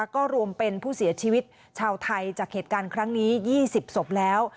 ก็รวมเป็นผู้เสียชีวิตชาวไทยจากเหตุการณ์ครั้งนี้๒๐ศพแล้ว